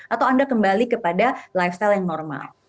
atau anda kembali kepada lifestyle yang normal